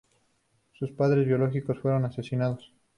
Sus padres biológicos fueron asesinados.